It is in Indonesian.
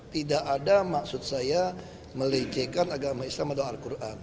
tidak ada maksud saya melecehkan agama islam atau al quran